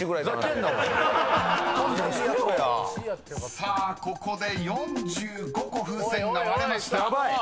［さあここで４５個風船が割れました］